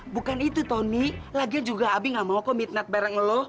bukan itu tony lagian juga abi gak mau kok mitnat bareng lo